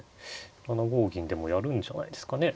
７五銀でもやるんじゃないですかね。